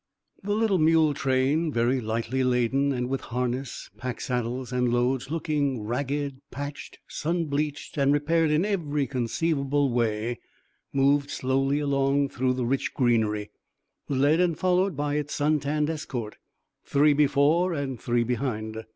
The little mule train, very lightly laden, and with harness, pack saddles, and loads looking ragged, patched, sun bleached, and repaired in every conceivable way, moved slowly along through the rich greenery, led and followed by its sun tanned escort, three before and three behind.